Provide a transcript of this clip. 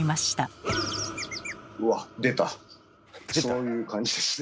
そういう感じですね。